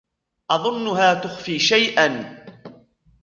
أظنّها تخفي شيئًا.